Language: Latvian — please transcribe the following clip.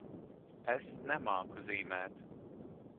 Es nemāku zīmēt.